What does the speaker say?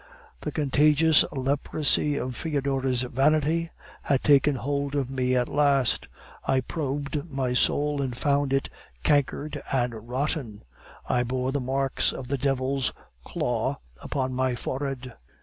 "The contagious leprosy of Foedora's vanity had taken hold of me at last. I probed my soul, and found it cankered and rotten. I bore the marks of the devil's claw upon my forehead.